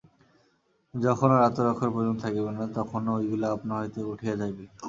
যখন আর আত্মরক্ষার প্রয়োজন থাকিবে না, তখন ঐগুলি আপনা হইতেই উঠিয়া যাইবে।